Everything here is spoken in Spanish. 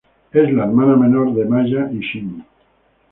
Es la hermana menor de Maya y Shin.